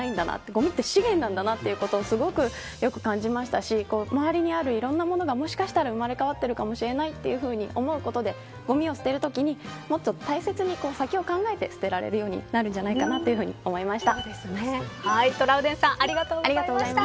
ごみって資源なんだなということをよく感じましたし周りにあるいろいろなものが生まれ変わってるかもしれないと思うことでごみを捨てるときに、もっと大切に先を考えて捨てられるようになるんじゃないかなトラウデンさんありがとうございました。